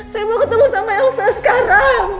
saya mau ketemu sama elsa sekarang